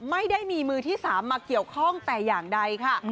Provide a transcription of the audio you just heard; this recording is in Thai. ไม่ได้มีมือที่๓มาเกี่ยวข้องแต่อย่างใดค่ะ